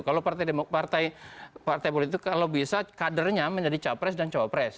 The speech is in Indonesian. kalau partai politik kalau bisa kadernya menjadi capres dan copres